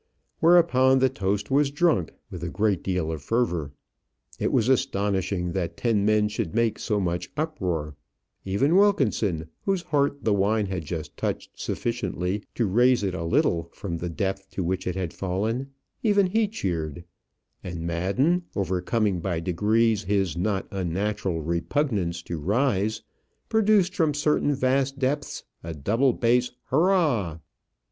Whereupon the toast was drunk with a great deal of fervour. It was astonishing that ten men should make so much uproar; even Wilkinson, whose heart the wine had just touched sufficiently to raise it a little from the depth to which it had fallen even he cheered; and Madden, overcoming by degrees his not unnatural repugnance to rise, produced from certain vast depths a double bass hurrah.